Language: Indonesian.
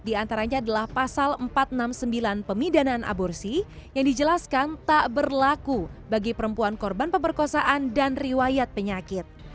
di antaranya adalah pasal empat ratus enam puluh sembilan pemidanaan aborsi yang dijelaskan tak berlaku bagi perempuan korban pemerkosaan dan riwayat penyakit